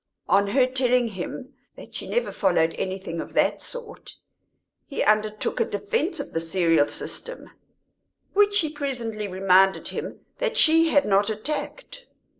On her telling him that she never followed anything of that sort, he undertook a defence of the serial system, which she presently reminded him that she had not attacked.